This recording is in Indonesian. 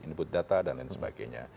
input data dan lain sebagainya